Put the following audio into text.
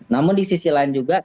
namun di sisi lain juga